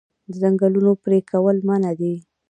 د ځنګلونو پرې کول منع دي.